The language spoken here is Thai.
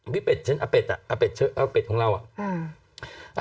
พี่เป็ดเช่นอเป็ดอเป็ดของเรา